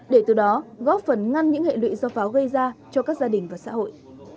để từ đó góp phần ngăn những hệ lụy do pháo gây ra cho các gia đình và xã hội